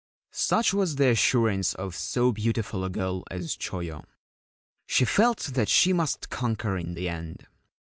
Such was the assurance of so beautiful a girl as Choyo. She felt that she must conquer in the end.